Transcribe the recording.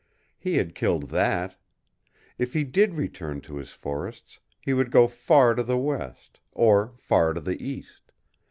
He had killed THAT. If he DID return to his forests, he would go far to the west, or far to the east.